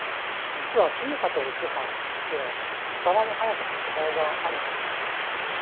実はＰ波とＳ波では伝わる速さに違いがあるんです。